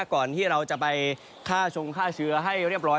ก่อนที่เราจะไปฆ่าชงฆ่าเชื้อให้เรียบร้อย